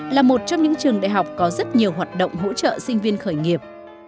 là một trong những trường đại học có rất nhiều hoạt động hỗ trợ sinh viên khởi nghiệp